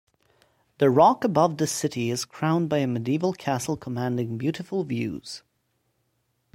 The rock above the city is crowned by a medieval castle commanding beautiful views.